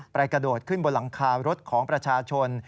กระโดดขึ้นบนหลังคารถของประชาชน